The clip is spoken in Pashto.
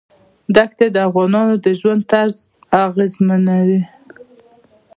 دښتې د افغانانو د ژوند طرز اغېزمنوي.